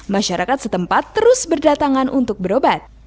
masyarakat setempat terus berdatangan untuk berobat